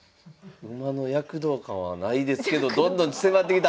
馬の躍動感はないですけどどんどん迫ってきた！